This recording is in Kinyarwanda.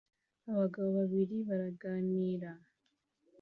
Abagabo babiri baraganira